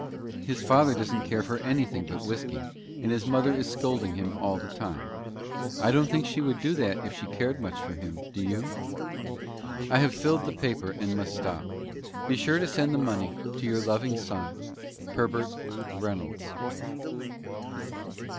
His father doesn't care for anything but whisky, and his mother is scolding him all the time. I don't think she would do that if she cared much for him, do you? "I have filled the paper, and must stop. Be sure to send the money to your loving son, "HERBERT REYNOLDS."